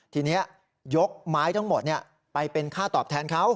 ทีนี้ยกไม้ทั้งหมดไปเป็นค่าตอบแทนเขา